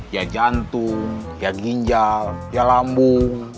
ya jantung ya ginjal ya lambung